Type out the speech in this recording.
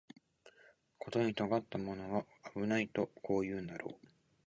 ことに尖ったものは危ないとこう言うんだろう